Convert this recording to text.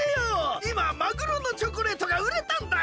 いまマグロのチョコレートがうれたんだよ！